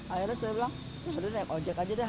akhirnya saya bilang yaudah naik ojek aja deh